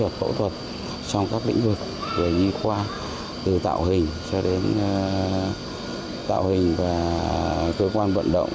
được phẫu thuật trong các lĩnh vực nhi khoa từ tạo hình cho đến tạo hình và cơ quan vận động